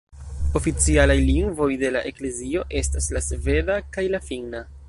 Oficialaj lingvoj de la eklezio estas la sveda kaj la finna.